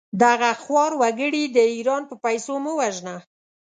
دغه خوار وګړي د ايران په پېسو مه وژنه!